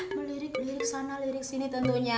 melirik lirik sana lirik sini tentunya